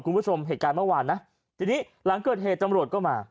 คุณผู้ชมเหตุการณ์เมื่อวานนะทีนี้หลังเกิดเหตุตำรวจก็มา